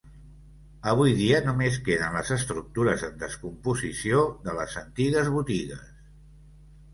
Avui dia només queden les estructures en descomposició de les antigues botigues.